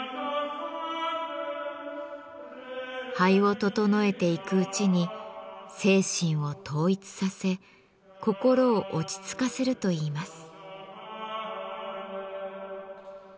灰を整えていくうちに精神を統一させ心を落ち着かせるといいます。